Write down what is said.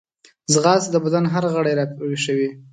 ځغاسته د بدن هر غړی راویښوي